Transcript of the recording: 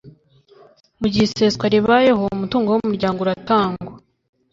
mu gihe iseswa ribayeho umutungo w umuryango uratangwa